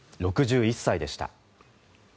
６１歳でした。